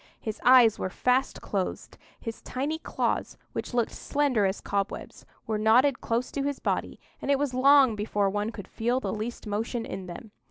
His eyes were fast closed; his tiny claws, which looked slender as cobwebs, were knotted close to his body, and it was long before one could feel the least motion in them.